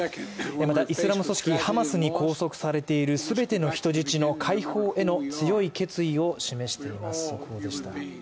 また、イスラム組織ハマスに拘束されている全ての人質の解放への強い決意を示しています。